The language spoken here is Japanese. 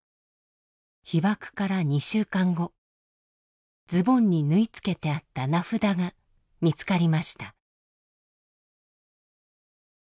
被爆から２週間後ズボンに縫い付けてあった名札が見つかりました。